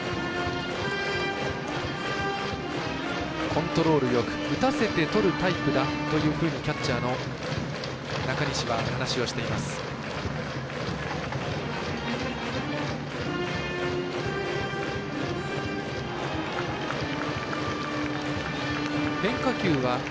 コントロールよく打たせてとるタイプだとキャッチャーの中西は話をしています。